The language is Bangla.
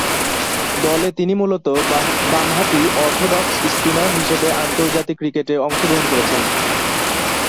দলে তিনি মূলতঃ বামহাতি অর্থোডক্স স্পিনার হিসেবে আন্তর্জাতিক ক্রিকেটে অংশগ্রহণ করেছেন।